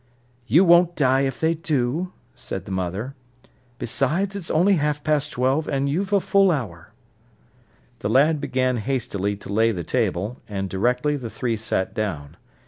"You won't die if they do," said the mother. "Besides, it's only half past twelve, so you've a full hour." The lad began hastily to lay the table, and directly the three sat down.